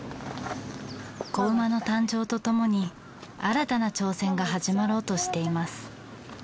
子馬の誕生とともに新たな挑戦が始まろうとしています。